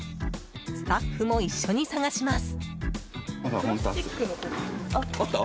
スタッフも一緒に探します。